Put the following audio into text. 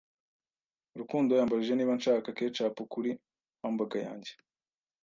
Rukundo yambajije niba nshaka ketchup kuri hamburger yanjye.